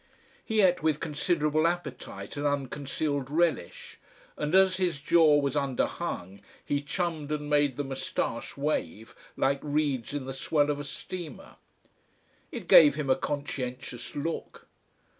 He ate with considerable appetite and unconcealed relish, and as his jaw was underhung, he chummed and made the moustache wave like reeds in the swell of a steamer. It gave him a conscientious look.